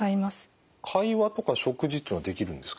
会話とか食事っていうのはできるんですか？